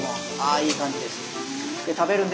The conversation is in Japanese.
いい感じです。